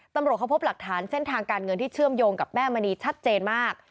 ตำรวจเขาพบหลักฐานเส้นทางการเงินที่เชื่อมโยงกับแม่มณีชัดเจนมาก